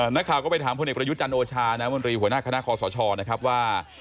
นักข่าวก็ไปถามพลเอกประยุทธ์จันทร์โอชาน้ำมนตรีหัวหน้าคณะคอสชนะครับว่า